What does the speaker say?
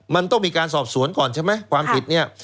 มันต้องมีการสอบสวนก่อนใช่ไหมความผิดเนี่ย